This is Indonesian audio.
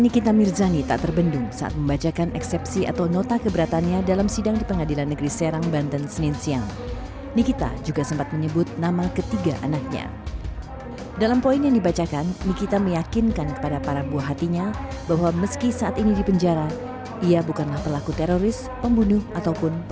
kami tidak akan mencari penyakit